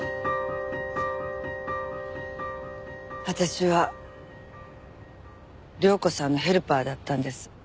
私は亮子さんのヘルパーだったんです。